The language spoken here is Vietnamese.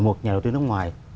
một nhà đầu tư nước ngoài